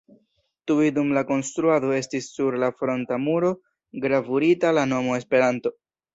Tuj dum la konstruado estis sur la fronta muro gravurita la nomo Esperanto.